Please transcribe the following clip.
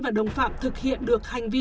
và đồng phạm thực hiện được hành vi